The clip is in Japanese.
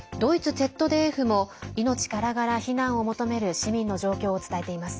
ドイツＺＤＦも命からがら避難を求める市民の状況を伝えています。